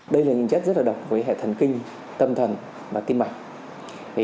đây là những chất rất là độc với hệ thần kinh tâm thần và tim mạch